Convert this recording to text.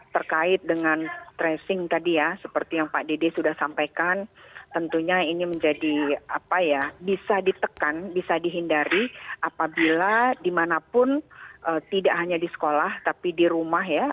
terkait dengan tracing tadi ya seperti yang pak dede sudah sampaikan tentunya ini menjadi apa ya bisa ditekan bisa dihindari apabila dimanapun tidak hanya di sekolah tapi di rumah ya